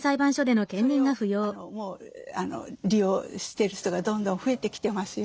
それをもう利用してる人がどんどん増えてきてますよ。